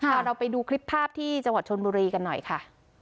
เอาเราไปดูคลิปภาพที่จังหวัดชนบุรีกันหน่อยค่ะ